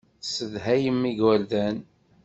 Tessedhayem igerdan.